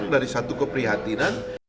dan itu keprihatinan